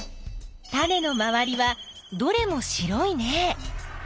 タネのまわりはどれも白いね。